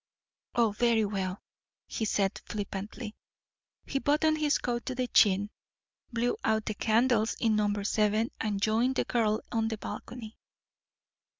"Oh, very well," he said flippantly. He buttoned his coat to the chin, blew out the candles in number seven, and joined the girl on the balcony.